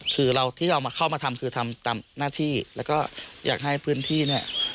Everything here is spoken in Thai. คือเราที่เรามาเข้ามาทำคือทำตามหน้าที่แล้วก็อยากให้พื้นที่เนี่ย